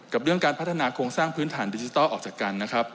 เรื่องการพัฒนาโครงสร้างพื้นฐานดิจิทัลออกจากกันนะครับ